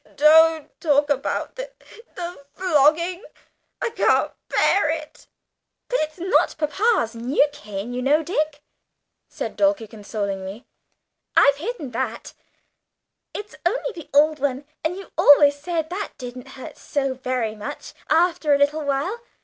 "Don't talk about the the flogging, I can't bear it." "But it's not papa's new cane, you know, Dick," said Dulcie consolingly. "I've hidden that; it's only the old one, and you always said that didn't hurt so very much, after a little while.